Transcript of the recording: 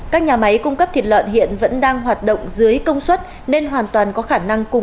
các nhà máy cung cấp thịt lợn hiện vẫn đang hoạt động dưới công suất nên hoàn toàn có khả năng cung ứng bổ sung